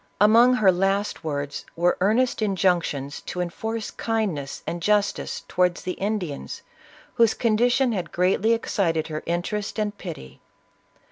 Among her last words, were earnest injunctions to enforce kind ness and justice towards the Indians, whose condition had greatly excited her interest and pity.